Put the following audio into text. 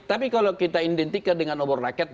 tapi kalau kita identikkan dengan obor rakyat